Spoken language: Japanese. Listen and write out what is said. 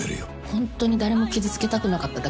ホントに誰も傷つけたくなかっただけなの。